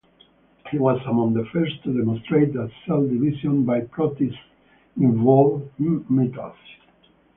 He was among the first to demonstrate that cell division by protists involved mitosis.